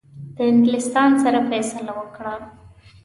د انګلیسانو سره فیصله کړه.